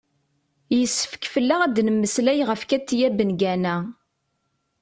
yessefk fell-aɣ ad d-nemmeslay ɣef katia bengana